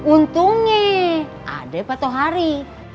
untungnya ada pak tohari